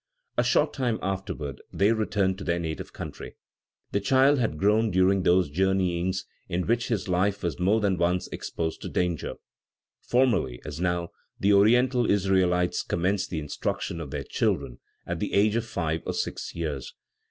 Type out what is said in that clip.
A short time afterward, they returned to their native country. The child had grown during those journeyings, in which his life was more than once exposed to danger. Formerly, as now, the Oriental Israelites commenced the instruction of their children at the age of five or six years.